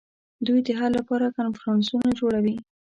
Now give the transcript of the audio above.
دوی د حل لپاره کنفرانسونه جوړوي